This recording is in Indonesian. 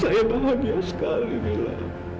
saya bahagia sekali nila